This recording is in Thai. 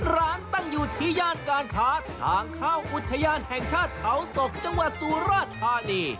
ตั้งอยู่ที่ย่านการค้าทางเข้าอุทยานแห่งชาติเขาศกจังหวัดสุราธานี